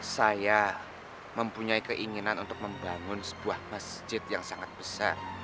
saya mempunyai keinginan untuk membangun sebuah masjid yang sangat besar